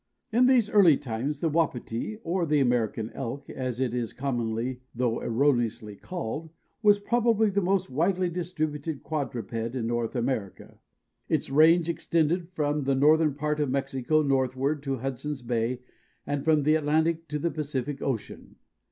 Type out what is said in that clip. In these early times the Wapiti or the American Elk, as it is commonly though erroneously called, was probably the most widely distributed quadruped in North America. Its range extended from the northern part of Mexico northward to Hudson's Bay and from the Atlantic to the Pacific Ocean.